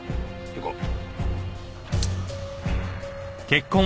行こう。